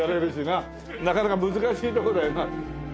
なかなか難しいとこだよな。